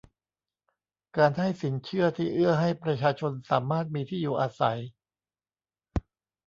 การให้สินเชื่อที่เอื้อให้ประชาชนสามารถมีที่อยู่อาศัย